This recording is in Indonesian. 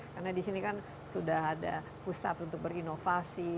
karena di sini kan sudah ada pusat untuk berinovasi